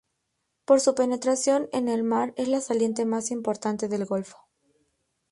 Por su penetración en el mar es la saliente más importante del golfo.